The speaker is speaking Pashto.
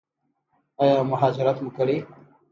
ایا مهاجرت مو کړی؟